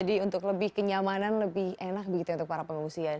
jadi untuk lebih kenyamanan lebih enak begitu untuk para pengungsian